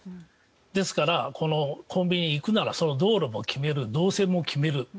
ですから、コンビニに行くなら道路も決める、動線も決める。